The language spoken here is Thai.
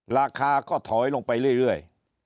ราคาก็ถอยลงไปเรื่อย